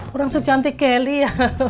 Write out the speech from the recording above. orang secantik kelly ya